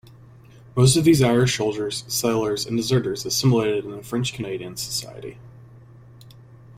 Most of these Irish soldiers, settlers, and deserters assimilated into French-Canadian society.